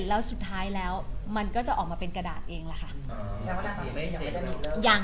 แล้วสุดท้ายแล้วมันก็จะออกมาเป็นกระดาษเองล่ะค่ะ